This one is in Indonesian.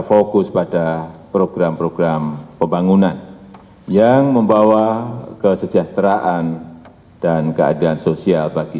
fokus pada program program pembangunan yang membawa kesejahteraan dan keadilan sosial bagi